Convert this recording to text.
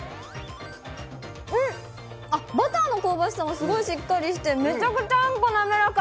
うん、バターの香ばしさもすごいしっかりして、めちゃくちゃあんこ滑らか。